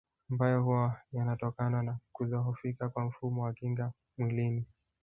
Ambayo huwa yanatokana na kudhohofika kwa mfumo wa kinga mwilini